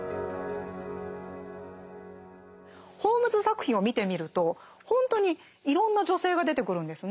ホームズ作品を見てみると本当にいろんな女性が出てくるんですね。